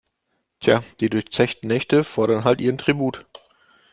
Tja, die durchzechten Nächte fordern halt ihren Tribut.